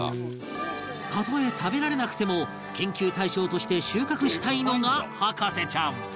たとえ食べられなくても研究対象として収穫したいのが博士ちゃん